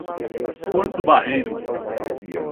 Porto Barreiro